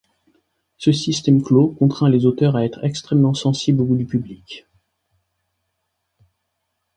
Ce système clos contraint les auteurs à être extrêmement sensibles aux goûts du public.